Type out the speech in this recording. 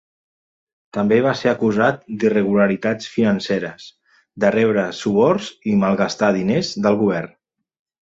També va ser acusat d'irregularitats financeres, de rebre suborns i malgastar diners del govern.